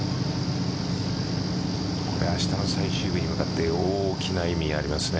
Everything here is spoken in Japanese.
明日の最終日に向かって大きな意味ありますよね。